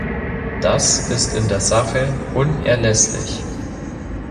Das ist in der Sache unerlässlich.